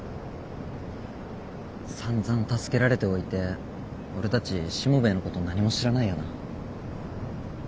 さんざん助けられておいて俺たちしもべえのこと何も知らないよな。